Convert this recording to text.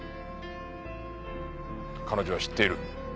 彼女は知っている。